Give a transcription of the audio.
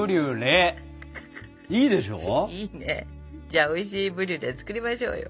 じゃあおいしいブリュレ作りましょうよ。